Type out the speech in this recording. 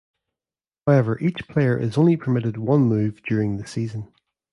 However each player is only permitted one move during the season.